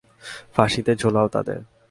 ফাঁসিতে ঝুলাও তাদের!